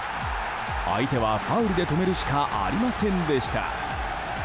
相手はファウルで止めるしかありませんでした。